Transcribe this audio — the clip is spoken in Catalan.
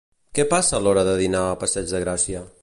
Què passa a l'hora de dinar a passeig de Gràcia?